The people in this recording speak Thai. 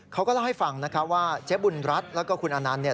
เขาก็เล่าให้ฟังว่าเจ๊บุญรัตน์และคุณอนันต์